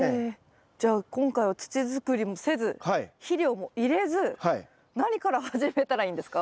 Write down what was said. じゃあ今回は土づくりもせず肥料も入れず何から始めたらいいんですか？